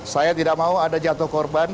saya tidak mau ada jatuh korban